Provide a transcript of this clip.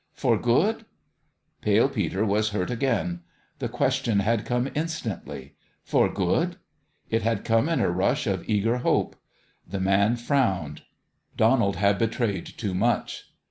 " For good ?" Pale Peter was hurt again. The question had come instantly. For good ? It had come in a rush of eager hope. The man frowned. Donald had betrayed too much.